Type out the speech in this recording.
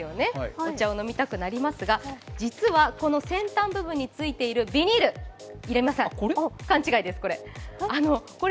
お茶を飲みたくなりますが、実はこの先端部分についているビニール、勘違いです、これ。